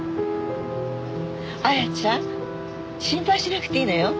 亜矢ちゃん心配しなくていいのよ。